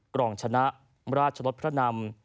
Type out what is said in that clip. กล่องชนะราชลดพระนำ